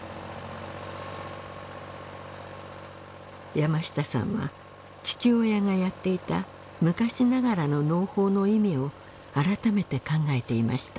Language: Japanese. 山下さんは父親がやっていた昔ながらの農法の意味を改めて考えていました。